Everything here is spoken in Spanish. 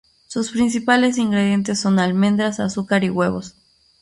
Sus principales ingredientes son almendras, azúcar y huevos.